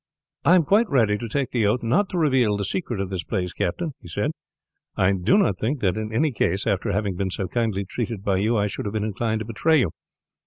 "I am quite ready to take the oath not to reveal the secret of this place, captain," he said. "I do not think that in any case after having been so kindly treated by you I should have been inclined to betray you.